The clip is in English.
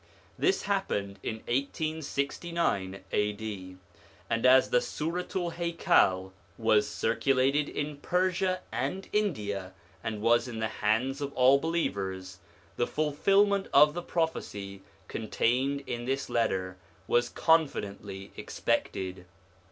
This happened in 1869 A.D., and as the Suratu'l Haikal was circulated in Persia and India, and was in the hands of all believers, the fulfilment of the prophecy contained in this letter was confidently expected.